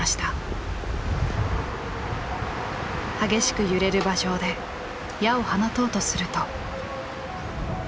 激しく揺れる馬上で矢を放とうとすると。